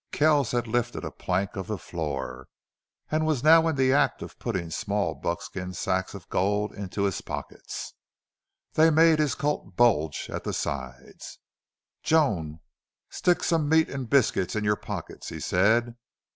Kells had lifted a plank of the floor, and was now in the act of putting small buckskin sacks of gold into his pockets. They made his coat bulge at the sides. "Joan, stick some meat and biscuits in your pockets," he said.